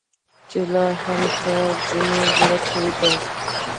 چې لا هم تاو ځنې لټېده.